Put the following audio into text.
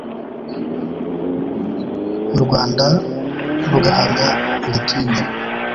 u Rwanda rugahamya igitinyiro